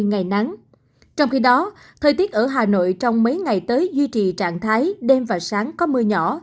ngày nắng trong khi đó thời tiết ở hà nội trong mấy ngày tới duy trì trạng thái đêm và sáng có mưa nhỏ